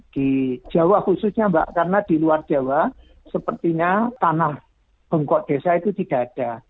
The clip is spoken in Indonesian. di jawa khususnya mbak karena di luar jawa sepertinya tanah bengkok desa itu tidak ada